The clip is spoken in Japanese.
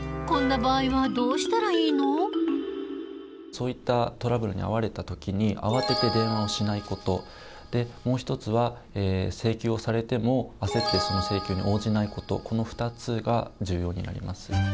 そういったトラブルに遭われた時にあわてて電話をしないこともう一つは請求をされてもあせってその請求に応じないことこの２つが重要になります。